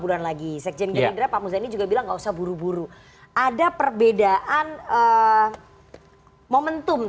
bulan lagi sekjen gerindra pak muzani juga bilang nggak usah buru buru ada perbedaan momentum